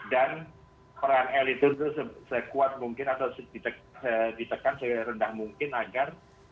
dan peran elit itu sekuat mungkin atau ditekan serendah mungkin agar